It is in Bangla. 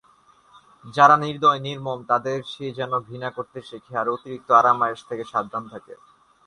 যারা নির্দয়, নির্মম তাদের সে যেন ঘৃণা করতে শেখে আর অতিরিক্ত আরাম-আয়েশ থেকে সাবধান থাকে।